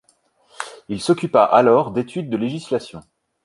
Il s'occupa alors d'études de législation.